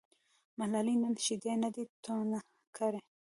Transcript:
ملالۍ نن شیدې نه دي تونه کړي.